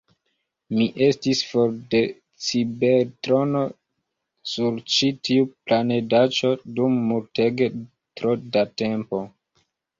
Mi estis for de Cibertrono sur ĉi tiu planedaĉo dum multege tro da tempo!